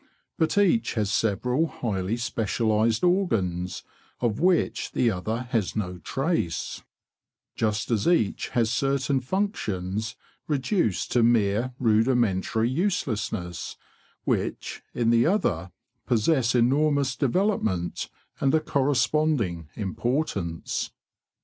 But each has several highly specialised organs, of which the other has no trace, just as each has certain functions reduced to mere rudimentary uselessness, which, in the other, possess enormous development and a correspond ing importance.